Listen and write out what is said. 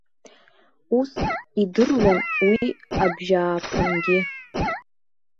Ус идырлон уи абжьааԥынгьы.